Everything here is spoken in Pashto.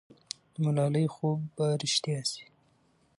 د ملالۍ خوب به رښتیا سي.